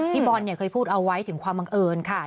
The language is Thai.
พี่บอลเนี่ยเคยพูดเอาไว้ถึงความบังเอิญค่ะ